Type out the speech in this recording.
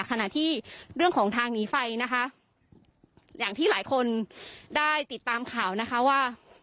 ขณะที่เรื่องของทางหนีไฟนะคะอย่างที่หลายคนได้ติดตามข่าวนะคะว่า